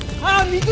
水！